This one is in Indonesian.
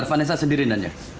itu sudah vanessa sendiri nanya